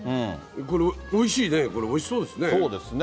これ、おいしいね、これ、おいしそうですね。